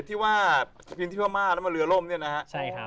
ที่พิมพ์เสียที่ว่ามาแล้วเรือร่มเนี่ยนะครับ